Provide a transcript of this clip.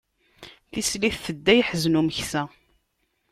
Tislit tedda iḥzen umeksa.